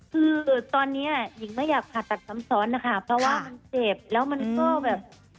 คือตอนนี้หญิงไม่อยากผ่าตัดซ้ำซ้อนนะคะเพราะว่ามันเจ็บแล้วมันก็แบบ